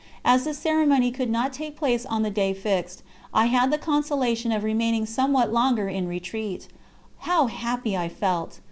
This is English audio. As the ceremony could not take place on the day fixed, I had the consolation of remaining somewhat longer in retreat. How happy I felt!